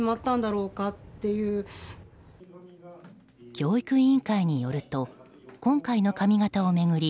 教育委員会によると今回の髪形を巡り